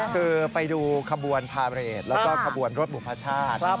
คือไปดูขบวนพาเรทแล้วก็ขบวนรถบุพชาติ